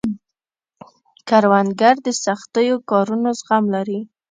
کروندګر د سختو کارونو زغم لري